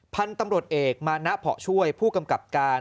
พันธุ์ตำรวจเอกมานะเพาะช่วยผู้กำกับการ